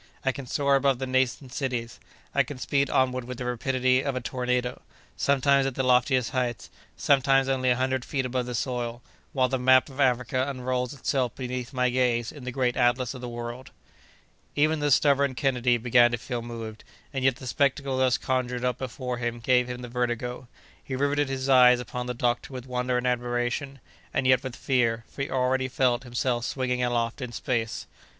I can soar above the nascent cities! I can speed onward with the rapidity of a tornado, sometimes at the loftiest heights, sometimes only a hundred feet above the soil, while the map of Africa unrolls itself beneath my gaze in the great atlas of the world." Even the stubborn Kennedy began to feel moved, and yet the spectacle thus conjured up before him gave him the vertigo. He riveted his eyes upon the doctor with wonder and admiration, and yet with fear, for he already felt himself swinging aloft in space.